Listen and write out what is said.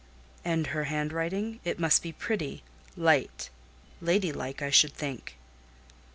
"And her handwriting? It must be pretty, light, ladylike, I should think?"